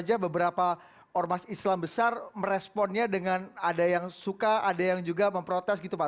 ada beberapa ormas islam besar meresponnya dengan ada yang suka ada yang juga memprotes gitu pak